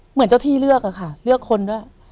เหมือนเจ้าที่เลือกอะค่ะเลือกคนด้วย